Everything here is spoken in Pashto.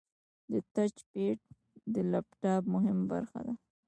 د ټچ پیډ د لپټاپ مهمه برخه ده.